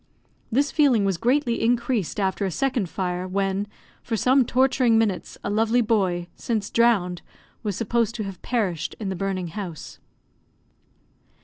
This feeling was greatly increased after a second fire, when, for some torturing minutes, a lovely boy, since drowned, was supposed to have perished in the burning house.